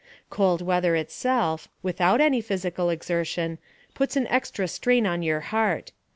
Cold weather itself, without any physical exertion, puts an extra strain on your heart.